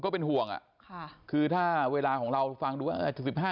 ก็เป็นห่วงอ่ะค่ะคือถ้าเวลาของเราฟังดูว่า๑๕